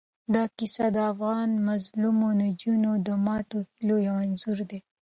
دا کیسه د افغان مظلومو نجونو د ماتو هیلو یو انځور دی.